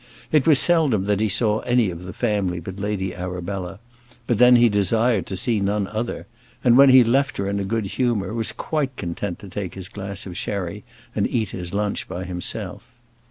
It was seldom that he saw any of the family but Lady Arabella; but then he desired to see none other, and when he left her in a good humour, was quite content to take his glass of sherry and eat his lunch by himself.